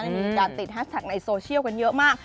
มีการติดแฮชแท็กในโซเชียลกันเยอะมาก